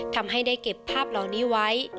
ทำให้ได้เก็บภาพเหล่านี้ไว้